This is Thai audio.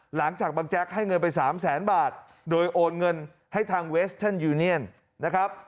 หลังจากบังแจ๊กให้เงินไป๓แสนบาทโดยโอนเงินให้ทางเวสเทิร์นยูเนียนนะครับ